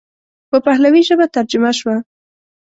په پهلوي ژبه ترجمه شوه.